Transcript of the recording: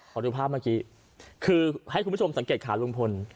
ขอดูภาพเมื่อกี้คือให้คุณผู้ชมสังเกตขาลุงพล